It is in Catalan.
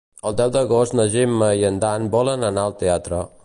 El deu d'agost na Gemma i en Dan volen anar al teatre.